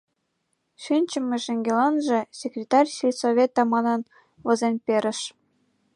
Шинчыме шеҥгеланже «секретарь сельсовета» манын возен перыш.